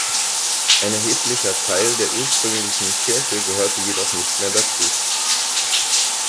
Ein erheblicher Teil der ursprünglichen Kirche gehörte jedoch nicht mehr dazu.